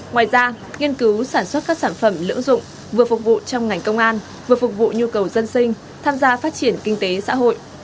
ngoài ra nghiên cứu sản xuất các sản phẩm lưỡng dụng vừa phục vụ trong ngành công an vừa phục vụ nhu cầu dân sinh tham gia phát triển kinh tế xã hội